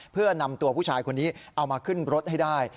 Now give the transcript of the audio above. เพื่อนำตัวผู้ชายคนนี้เอามาขึ้นรถให้ได้